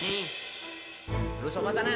duduk sofa sana